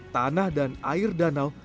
tanah dan air danau